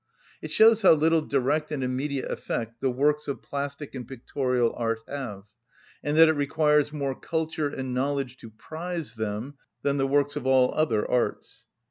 It shows how little direct and immediate effect the works of plastic and pictorial art have, and that it requires more culture and knowledge to prize them than the works of all other arts.